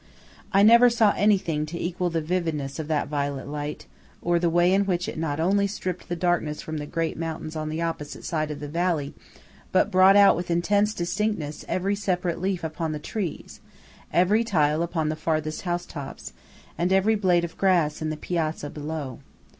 I never saw anything to equal the vividness of that violet light, or the way in which it not only stripped the darkness from the great mountains on the opposite side of the valley, but brought out with intense distinctness every separate leaf upon the trees, every tile upon the farthest housetops, and every blade of grass in the piazza below.